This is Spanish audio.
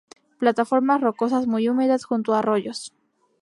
Plataformas rocosas muy húmedas, junto a arroyos.